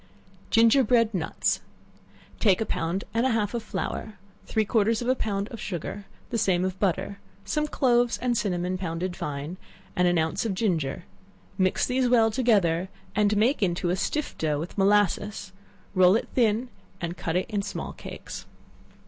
Ginger bread Nuts. Take a pound and a half of flour, three quarters of a pound of sugar, the same of butter, some cloves and cinnamon pounded fine, and an ounce of ginger; mix these well together, and make it into a stiff dough, with molasses; roll it thin, and cut it in small cakes.